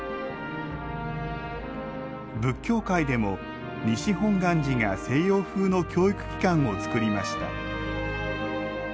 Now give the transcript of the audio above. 仏教界でも西本願寺が西洋風の教育機関を作りました